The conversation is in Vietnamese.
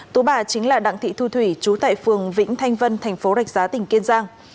tố bà chính là đặng thị thu thủy chú tại phường vĩnh thanh vân thành phố rạch giá tỉnh kiên giang